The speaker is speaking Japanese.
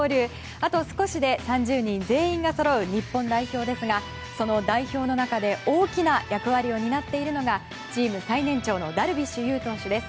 あと少しで３０人全員がそろう日本代表ですが、その代表の中で大きな役割を担っているのがチーム最年長のダルビッシュ有投手です。